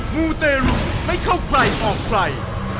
หูเตรูไม่เข้ากลัยออกฝ่าย